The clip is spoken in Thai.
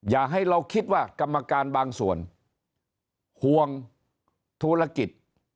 อย่าให้เราคิดว่ากรรมการบางส่วนห่วงธุรกิจ